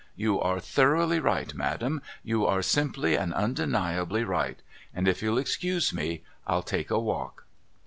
You are thoroughly right Madam. You are simply and undeniably right. — And if you'll excuse me, I'll take a walk.'